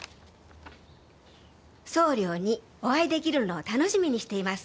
「惣領にお会いできるのを楽しみにしています